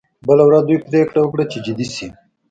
بله ورځ دوی پریکړه وکړه چې جدي شي